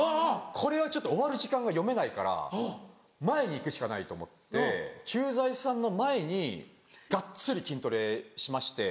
これはちょっと終わる時間が読めないから前に行くしかないと思って「駐在さん」の前にがっつり筋トレしまして。